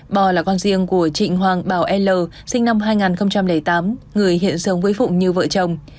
bò là con riêng của trịnh hoàng bảo l sinh năm hai nghìn tám người hiện sống với phụng như vợ chồng